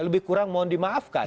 lebih kurang mohon dimaafkan